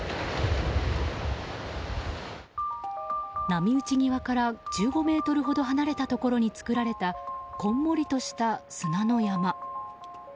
波打ち際から１５ｍほど離れたところに作られたこんもりとした砂の山。